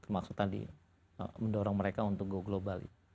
maksud tadi mendorong mereka untuk go global itu